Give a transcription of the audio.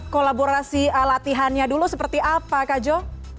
kolaborasi latihannya dulu seperti apa kak jo